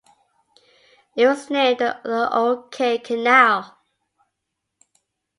It was named the Old Quay Canal.